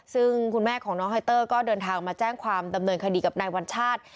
ซึ่งคุณแม่ของน้องไฮเตอร์ก็เดินทางมาแจ้งความดำเนินคดีกับนายวัญชาติ